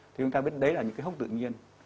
thì chúng ta biết đấy là những cái hốc tự nhiên